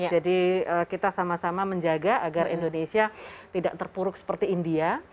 kita sama sama menjaga agar indonesia tidak terpuruk seperti india